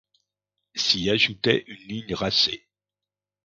S'y ajoutait une ligne racée.